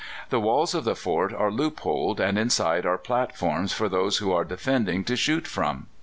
The walls of the fort are loopholed, and inside are platforms for those who are defending to shoot from.